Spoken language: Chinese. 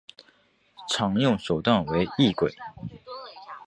常用手段为异轨。